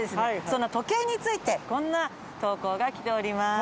そんな時計についてこんな投稿がきております。